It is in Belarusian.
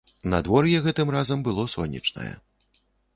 Надвор'е гэтым разам было сонечнае.